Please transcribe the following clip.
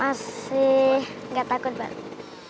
masih tidak takut banget